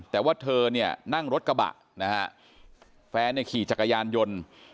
แต่ว่าเธอเนี่ยนั่งรถกระบะนะฮะแฟนเนี่ยขี่จักรยานยนต์